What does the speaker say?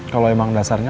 kalo emang dasarnya